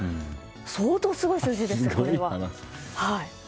相当すごい数字ですね、これは。